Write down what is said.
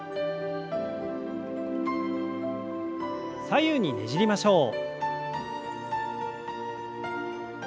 左右にねじりましょう。